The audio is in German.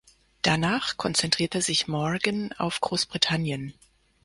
Danach konzentrierte sich Morgan auf Großbritannien.